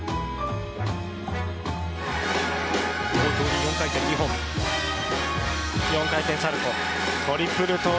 ４回転２本４回転サルコウ。